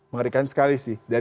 mengerikan sekali sih